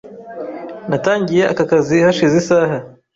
Natangiye aka kazi hashize isaha .